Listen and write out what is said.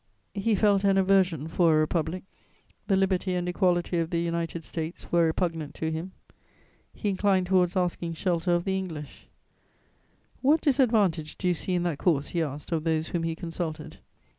He felt an aversion for a republic; the liberty and equality of the United States were repugnant to him. He inclined towards asking shelter of the English: "What disadvantage do you see in that course?" he asked of those whom he consulted.